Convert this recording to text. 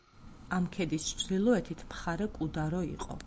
ამ ქედის ჩრდილოეთით მხარე კუდარო იყო.